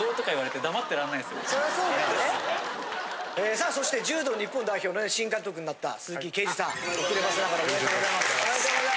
さあそして柔道日本代表の新監督になった鈴木桂治さん遅ればせながらおめでとうございます。